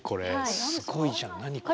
すごいじゃん何これ。